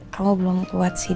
kamu belum kuat sih